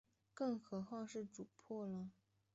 何况是主簿呢？